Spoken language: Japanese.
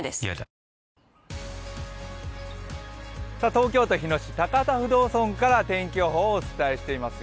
東京都日野市、高幡不動尊からお天気をお伝えしています。